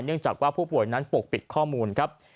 เนื่องจากว่าผู้ป่วยนั้นปกปิดข้อมูลครับ